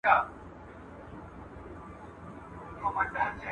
پر دنیا باندي اسمان به رانړیږي ,